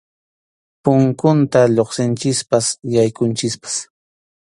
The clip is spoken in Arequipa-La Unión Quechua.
Punkunta lluqsinchikpas yaykunchikpas.